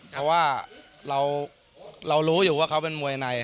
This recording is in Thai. เพราะว่าเรารู้อยู่ว่าเขาเป็นมวยใน